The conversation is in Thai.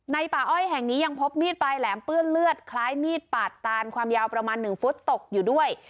ป่าอ้อยแห่งนี้ยังพบมีดปลายแหลมเปื้อนเลือดคล้ายมีดปาดตานความยาวประมาณ๑ฟุตตกอยู่ด้วย